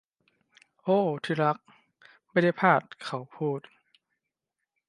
โอ้ที่รักไม่ได้พลาดเขาพูด